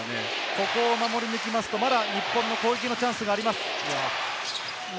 ここを守り抜きますと、まだ日本の攻撃のチャンスがあります。